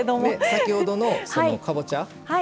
先ほどのかぼちゃ。